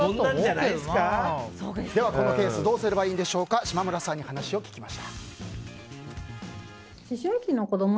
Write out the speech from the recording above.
このケースどうすればいいか島村さんに聞きました。